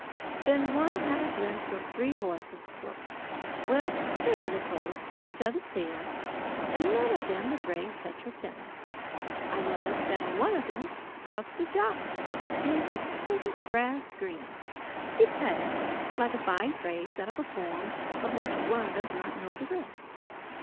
Then one had a glimpse of three horses close well, fairly close on each other's tails, and none of them the grey Tetratema. I noticed that on one of them crouched a jockey in exquisite grass green. He passed like a fine phrase out of a poem of which one does not know the rest.